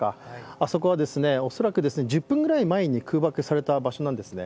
あそこは恐らく１０分ぐらい前に空爆された場所なんですね。